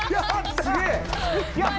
すげえ！